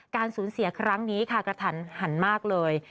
สูญเสียครั้งนี้ค่ะกระทันหันมากเลย